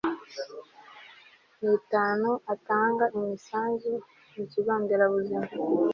n itanu atanga imisanzu mu kigonderabuzima